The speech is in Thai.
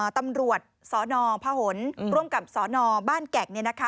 ตำรวจสนพหนร่วมกับสนบ้านแก่ง